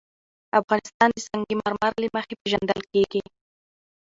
افغانستان د سنگ مرمر له مخې پېژندل کېږي.